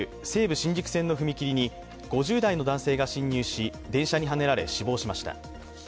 新宿線の踏切に５０代の男性が侵入し、電車にはねられ、死亡しました。